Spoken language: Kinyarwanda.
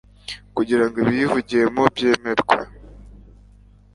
kugira ngo ibiyivugiwemo byemerwe